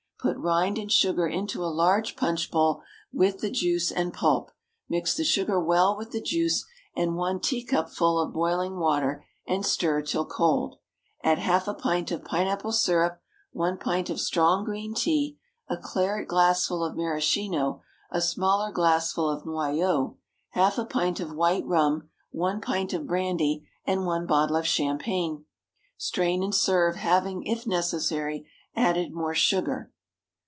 Put rind and sugar into a large punch bowl with the juice and pulp, mix the sugar well with the juice and one teacupful of boiling water, and stir till cold. Add half a pint of pine apple syrup, one pint of strong green tea, a claret glassful of maraschino, a smaller glassful of noyeau, half a pint of white rum, one pint of brandy, and one bottle of champagne. Strain and serve, having, if necessary, added more sugar.